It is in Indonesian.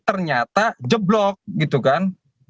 ternyata jeblok gitu kan